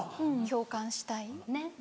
共感したい。